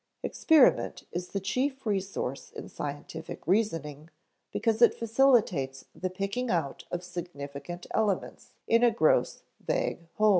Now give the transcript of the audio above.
_ Experiment is the chief resource in scientific reasoning because it facilitates the picking out of significant elements in a gross, vague whole.